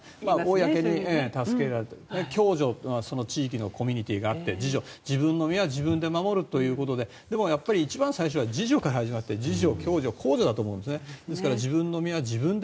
共助というのは地域のコミュニティーがあって自助、自分の身は自分で守るということででもやっぱり一番最初は自助から始まって自助・共助・公助だと思うんですね。